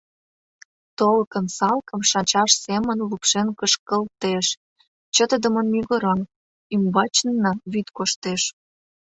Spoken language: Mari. Толкын салкым шанчаш семын лупшен кышкылтеш, чытыдымын мӱгыра, ӱмбачынна вӱд коштеш.